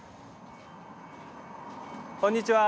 こんにちは。